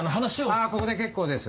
あぁここで結構です。